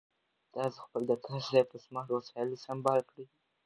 تاسو خپل د کار ځای په سمارټ وسایلو سمبال کړئ.